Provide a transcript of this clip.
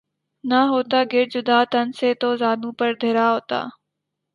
نہ ہوتا گر جدا تن سے تو زانو پر دھرا ہوتا